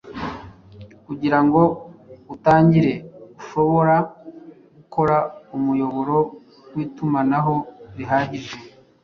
Kugirango utangire, Ushobora gukora umuyoboro witumanaho rihagije